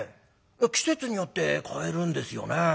季節によってかえるんですよね。